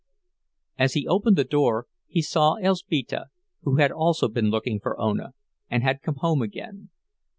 As he opened the door, he saw Elzbieta, who had also been looking for Ona, and had come home again.